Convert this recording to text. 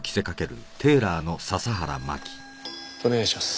お願いします。